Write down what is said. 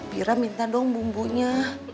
bi ira minta dong bumbunya